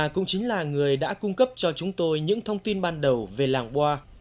cũng chính là người đã cung cấp cho chúng tôi những thông tin ban đầu về làng boa